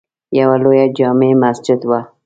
یوه لویه جامع مسجد وه.